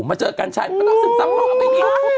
มาเจอกันใช่มาทำสิ่งซ้ำหล่อไปดี